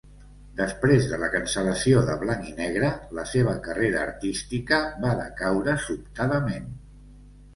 Després de la cancel·lació de Blanc i Negre, la seva carrera artística va decaure sobtadament.